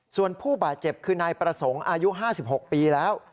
ส่วนผู้บาดเจ็บคือนายประสงค์อายุ๕๖ปีแล้ว